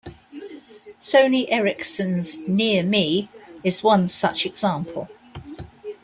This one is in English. Sony Ericsson's "NearMe" is one such example.